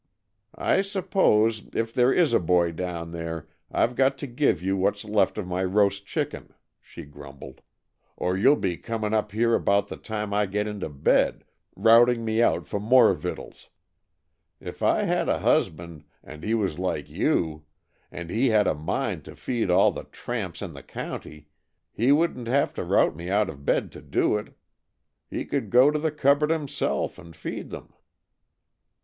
"I suppose, if there is a boy down there, I've got to give you what's left of my roast chicken," she grumbled, "or you'll be coming up here about the time I get into bed, routing me out for more victuals. If I had a husband, and he was like you, and he had a mind to feed all the tramps in the county, he wouldn't have to rout me out of bed to do it. He could go to the cupboard himself, and feed them."